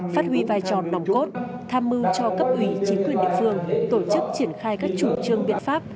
phát huy vai trò nòng cốt tham mưu cho cấp ủy chính quyền địa phương tổ chức triển khai các chủ trương biện pháp